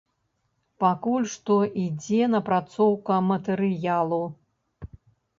Пакуль што ідзе напрацоўка матэрыялу.